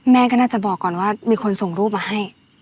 แม่ก็น่าจะบอกก่อนว่ามีคนส่งรูปมาให้